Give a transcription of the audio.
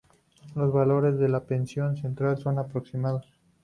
Los valores de la presión central son aproximados.